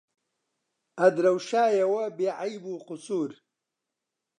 ئەدرەوشایەوە بێعەیب و قوسوور